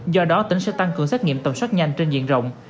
do đó tỉnh sẽ tăng cường xét nghiệm tầm soát nhanh trên diện rộng